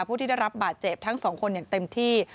ผู้ที่ได้รับบาดเจ็บทั้งสองคนอย่างเต็มที่